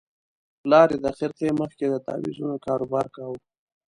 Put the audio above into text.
پلار یې د خرقې مخ کې د تاویزونو کاروبار کاوه.